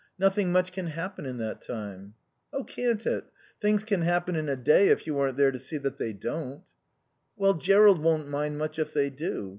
Nothing much can happen in that time." "Oh, can't it! Things can happen in a day if you aren't there to see that they don't." "Well, Jerrold won't mind much if they do.